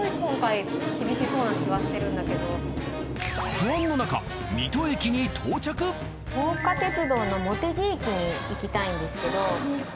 不安のなか真岡鐵道の茂木駅に行きたいんですけど。